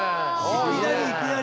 いきなりいきなり。